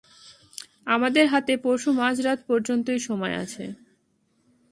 আমাদের হাতে পরশু মাঝ রাত পর্যন্তই সময় আছে।